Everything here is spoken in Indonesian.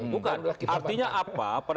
bukan artinya apa